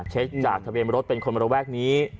เช็คจากทะเบียนรถเป็นคนระแวกนี้